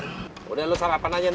ikut suruh qun dia bawa